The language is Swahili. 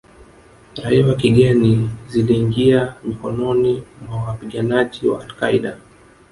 raia wa kigeni ziliingia mikononi mwa wapiganaji wa Al Qaeda